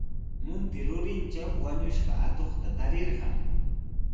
Munti rurintraw wañushqa atuqta tarirqan.